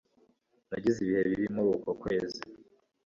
Nagize ibihe bibi muri uko kwezi.